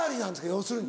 要するに。